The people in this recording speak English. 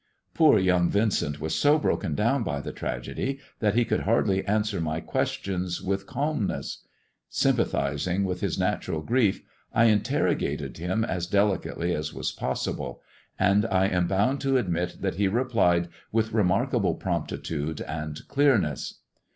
Poor young Yincent was so broken down by the tragedy that he could hardly answer my questions with calmnesa Sympathizing with his natural grief, I interrogated him aa TBB GKEGN STONE QOD AND THE STOCKBROKER 255 delicately as was poBsible, and I am bound to admit that be replied with remarkable promptitude and clearueBe.